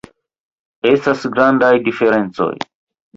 Estas grandaj diferencoj.